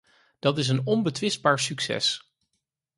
Dat is een onbetwistbaar succes.